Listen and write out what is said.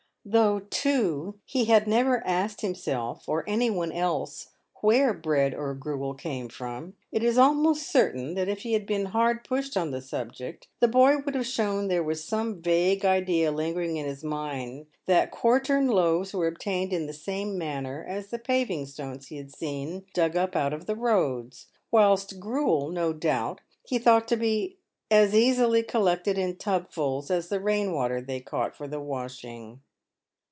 Though, too, he had never asked himself or any one else where bread or gruel came from, it is almost certain that if he had been hard pushed on the subject, the boy would have shown there was some vague idea lingering in his mind that quartern loaves were obtained in the same manner as the paving stones he had seen dug up out of the roads ; whilst gruel, no doubt, he thought to be as easily collected in tubfuls as the rain water they caught for the washing.